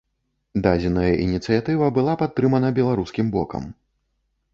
Дадзеная ініцыятыва была падтрымана беларускім бокам.